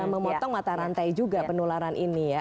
memotong mata rantai juga penularan ini ya